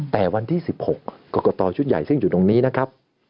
แต่วันที่๑๖กรกตชุดใหญ่ซึ่งอยู่ตรงนี้นะครับ